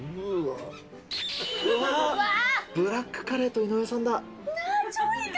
ブラックカレーと井上さんだ。